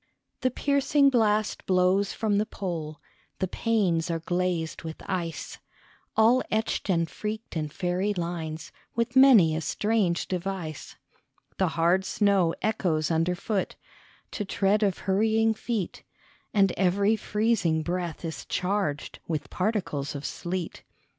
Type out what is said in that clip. THE piercing blast blows from the pole, The panes are glazed with ice, All etched and freaked in fairy lines, With many a strange device ; The hard snow echoes underfoot To tread of hurrying feet, And every freezing breath is charged With particles of sleet.